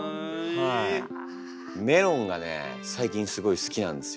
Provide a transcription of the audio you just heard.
メロンがね最近すごい好きなんですよ。